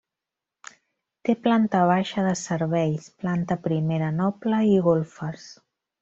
Té planta baixa de serveis, planta primera noble i golfes.